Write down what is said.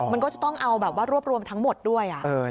มันก็จะต้องเอาแบบว่ารวบรวมทั้งหมดด้วย